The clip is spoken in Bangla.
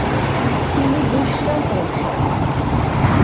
তিনি বুসরা পৌছান।